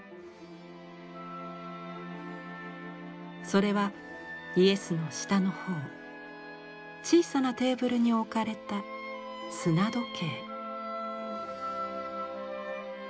それはイエスの下の方小さなテーブルに置かれた砂時計。